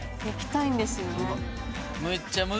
行きたいんですよね。